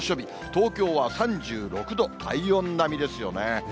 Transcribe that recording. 東京は３６度、体温並みですよね。